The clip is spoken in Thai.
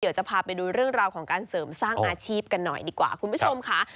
เดี๋ยวจะพาไปดูเรื่องราวของการเสริมสร้างอาชีพกันหน่อยดีกว่าคุณผู้ชมค่ะ